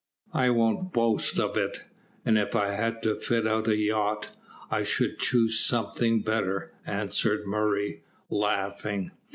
"I won't boast of it, and if I had to fit out a yacht, I should choose something better," answered Murray, laughing.